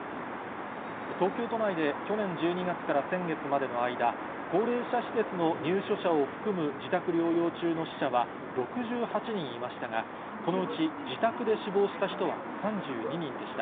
東京都内で去年１２月から先月までの間、高齢者施設の入所者を含む自宅療養中の死者は６８人いましたが、このうち自宅で死亡した人は３２人でした。